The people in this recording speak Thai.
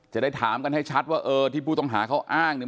จะได้ถามกันให้ชัดว่าเออที่ผู้ต้องหาเขาอ้างเนี่ย